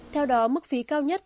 theo đó mức phí cao nhất